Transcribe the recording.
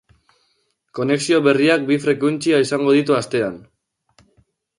Konexio berriak bi frekuentzia izango ditu astean.